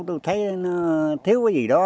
tôi thấy nó thiếu cái gì đó